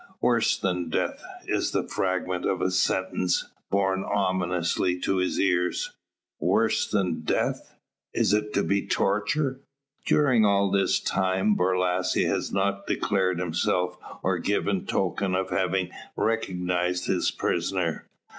"Worse than death" is the fragment of a sentence borne ominously to his ears. Worse than death! Is it to be torture? During all this time Borlasse has not declared himself, or given token of having recognised his prisoner.